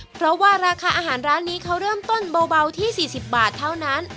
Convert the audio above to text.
เพราะว่าราคาอาหารร้านนี้เขาเริ่มต้นเบาที่๔๐บาทเท่านั้น